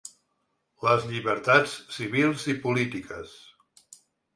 Les llibertats civils i polítiques.